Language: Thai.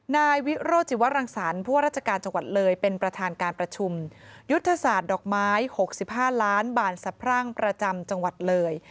นายวิโรจิวรังสรรค์ผู้ว่าราชการจังหวัดเลยเป็นประธานการประชุมยุทธศาสตร์ดอกไม้๖๕ล้านบาทสะพรั่งประจำจังหวัดเลย